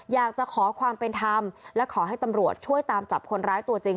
อยากจะขอความเป็นธรรมและขอให้ตำรวจช่วยตามจับคนร้ายตัวจริง